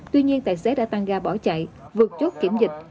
tuy nhiên tài xế đã tăng ga bỏ chạy vượt chốt kiểm dịch